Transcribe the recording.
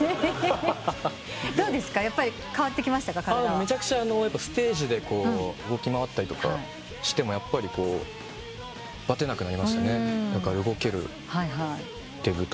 めちゃくちゃステージでこう動き回ったりしてもやっぱりバテなくなりましたね。